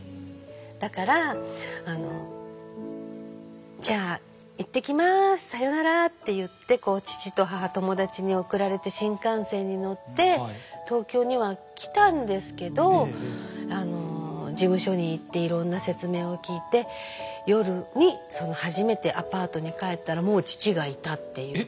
だから「じゃあ行ってきます。さよなら」って言って父と母友達に送られて新幹線に乗って東京には来たんですけど事務所に行っていろんな説明を聞いて夜に初めてアパートに帰ったらもう父がいたっていうか。